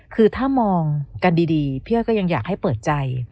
คือถ้ามองกันดีพี่อ้อยก็ยังอยากให้เปิดใจ